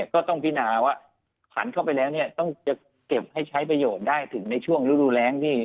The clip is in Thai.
ก็ต้องพินาว่าผันเข้าไปแล้วเนี่ยต้องจะเก็บให้ใช้ประโยชน์ในช่วงฤดูแล้ง